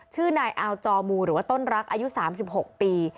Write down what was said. ชื่อนายอาวจอมูหรือว่าต้นรักอายุ๓๖ปี